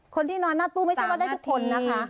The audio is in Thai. คนที่นอนหน้าตู้ไม่ใช่ว่าได้ทุกคนนะคะ